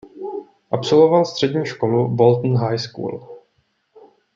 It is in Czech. Absolvoval střední školu Bolton High School.